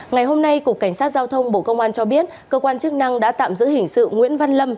ngày hôm nay cục cảnh sát giao thông bộ công an cho biết cơ quan chức năng đã tạm giữ hình sự nguyễn văn lâm